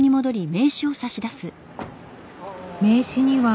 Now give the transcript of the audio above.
名刺には。